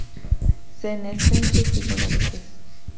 Senescencia es igual a vejez.